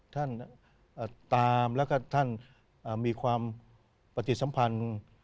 ตามแล้วก็ท่านมีความปฏิสัมพันธ์